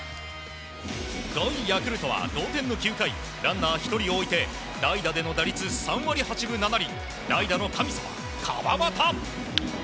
５位、ヤクルトは同点の９回ランナー１人を置いて代打での打率３割８分７厘代打の神様、川端。